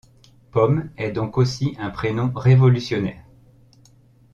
Pomme est donc aussi un prénom révolutionnaire.